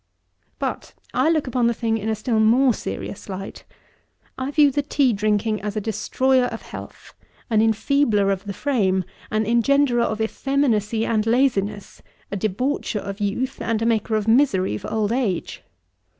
29. But, I look upon the thing in a still more serious light. I view the tea drinking as a destroyer of health, an enfeebler of the frame, an engenderer of effeminacy and laziness, a debaucher of youth, and a maker of misery for old age.